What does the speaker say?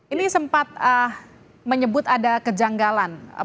ini sempat menyebut ada kejanggalan